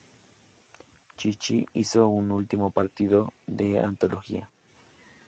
Chichi hizo un último partido de antología.